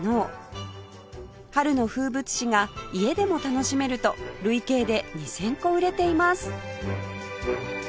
春の風物詩が家でも楽しめると累計で２０００個売れています